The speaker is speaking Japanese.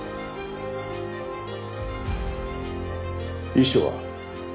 遺書は？